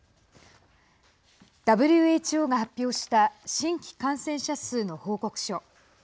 ＷＨＯが発表した新規感染者数の報告書。